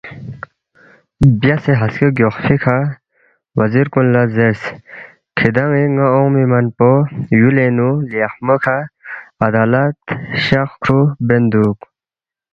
بیاسے ہسکے گیوخسپی کھہ وزیر کُن لہ زیرس، کِھدان٘ی ن٘ا اون٘ے منپو یُولِنگ نُو لیخموے کھہ عدالت، شخ کھرُو بین دُوک